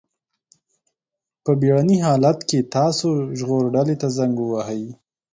په بېړني حالت کې تاسو ژغورډلې ته زنګ ووهئ.